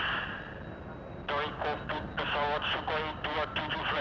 kami penerbang tentara nasional indonesia